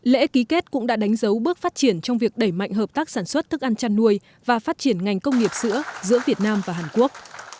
lễ ký kết cũng đã đánh dấu bước phát triển trong việc đẩy mạnh hợp tác sản xuất thức ăn chăn nuôi và phát triển ngành công nghiệp sữa giữa việt nam và hàn quốc